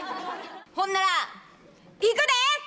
ほんならいくで！